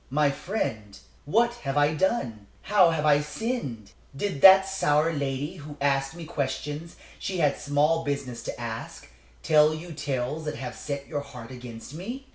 "My friend, what have I done? How have I sinned? Did that sour lady, who asked me questions she had small business to ask, tell you tales that have set your heart against me?